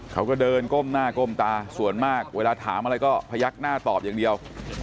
เขาก็เดินก้มหน้าก้มตาส่วนมากเวลาถามอะไรก็พยักหน้าตอบอย่างเดียว